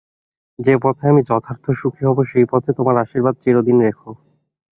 যে পথে আমি যথার্থ সুখী হব সেই পথে তোমার আশীর্বাদ চিরদিন রেখো।